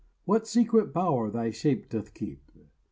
What secret bower thy shape doth keep?